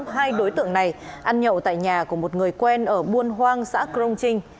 hai đối tượng này ăn nhậu tại nhà của một người quen ở buôn hoang xã crong trinh